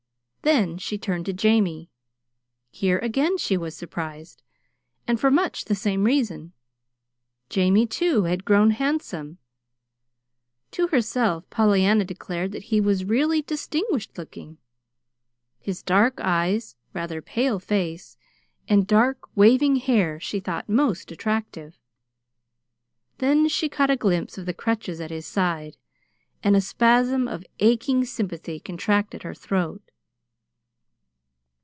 Then she turned to Jamie. Here again she was surprised, and for much the same reason. Jamie, too, had grown handsome. To herself Pollyanna declared that he was really distinguished looking. His dark eyes, rather pale face, and dark, waving hair she thought most attractive. Then she caught a glimpse of the crutches at his side, and a spasm of aching sympathy contracted her throat.